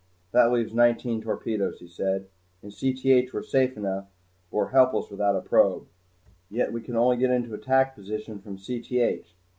"That leaves nineteen torpedoes," he said. "In Cth we're safe enough but we're helpless without a probe. Yet we can only get into attack position from Cth.